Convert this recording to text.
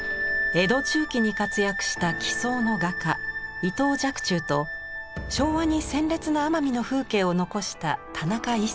江戸中期に活躍した奇想の画家伊藤若冲と昭和に鮮烈な奄美の風景を残した田中一村。